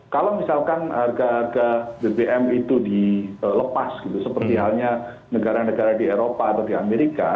kalau misalkan harga harga bbm itu dilepas gitu seperti halnya negara negara di eropa atau di amerika